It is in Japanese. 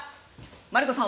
マリコさんは？